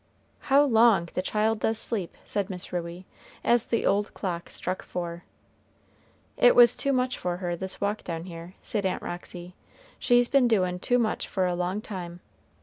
"How long the child does sleep!" said Miss Ruey as the old clock struck four. "It was too much for her, this walk down here," said Aunt Roxy. "She's been doin' too much for a long time.